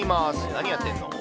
何やってるの？